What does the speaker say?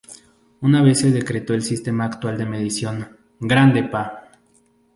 Una vez que se creó el sistema actual de medición, "¡Grande, Pa!